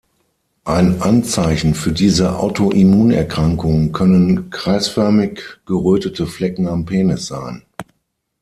Ein Anzeichen für diese Autoimmunerkrankung können kreisförmig gerötete Flecken am Penis sein.